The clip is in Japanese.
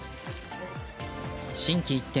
心機一転